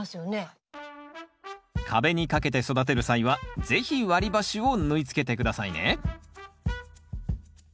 壁に掛けて育てる際は是非割り箸を縫い付けて下さいねさあ